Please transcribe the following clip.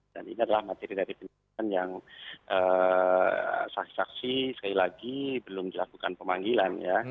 dan ini adalah materi dari penyelidikan yang saksi saksi sekali lagi belum dilakukan pemanggilan